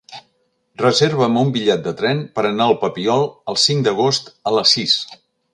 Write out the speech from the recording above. Reserva'm un bitllet de tren per anar al Papiol el cinc d'agost a les sis.